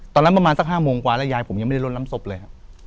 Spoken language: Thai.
ประมาณสัก๕โมงกว่าแล้วยายผมยังไม่ได้ลดน้ำศพเลยครับ